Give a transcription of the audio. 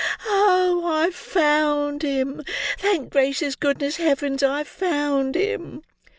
Oh, I've found him. Thank gracious goodness heavins, I've found him!"